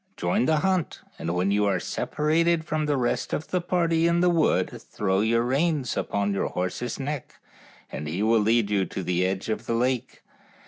Join the hunt, and when you are separated from the rest of the party in the wood throw your reins upon your horse's neck and he will lead you to the edge of the lake.